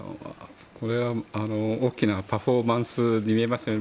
これは大きなパフォーマンスに見えますよね。